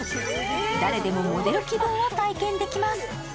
誰でもモデル気分を体験できます。